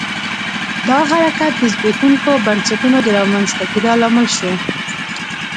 دا حرکت د زبېښونکو بنسټونو د رامنځته کېدا لامل شو.